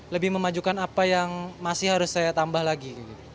lebih memajukan apa yang masih harus saya tambah lagi